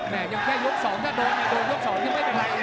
แม่งยังแค่ยกสองถ้าโดนยังโดนยกสองยังไม่เป็นไร